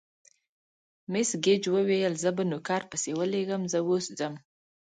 مس ګېج وویل: زه به نوکر پسې ولېږم، زه اوس ځم.